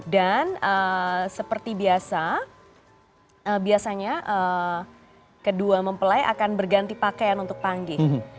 dan seperti biasa biasanya kedua mempelai akan berganti pakaian untuk panggih